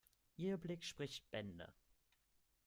Ihr Blick spricht Bände.